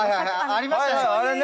ありましたね。